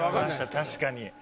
確かに。